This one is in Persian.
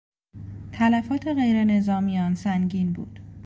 تلفات غیرنظامیان سنگین بود.